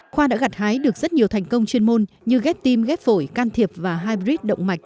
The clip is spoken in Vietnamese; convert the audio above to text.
khoa đã gặt hái được rất nhiều thành công chuyên môn như ghép tim ghép phổi can thiệp và hybrid động mạch